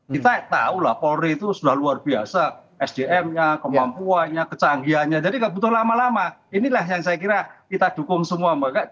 kita tahu lah polri itu sudah luar biasa sdm nya kemampuannya kecanggihannya jadi nggak butuh lama lama inilah yang saya kira kita dukung semua mbak